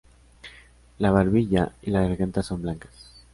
La barbilla y la garganta son blancas.